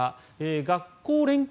学校連携